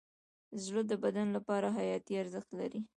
زړه د بدن لپاره حیاتي ارزښت لري.